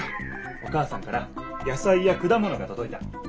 お母さんから野さいやくだものがとどいた。